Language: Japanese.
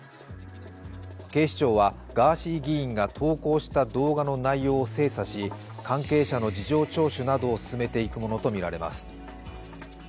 警視庁は、ガーシー議員が投稿した動画の内容を精査し関係者の事情聴取などを進めていくものとみられます。